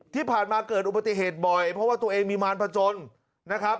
ที่ผ่านมาเกิดอุบัติเหตุบ่อยเพราะว่าตัวเองมีมารพจนนะครับ